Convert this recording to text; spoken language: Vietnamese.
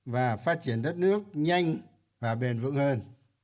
và phát triển đất nước nhanh và bền vững hơn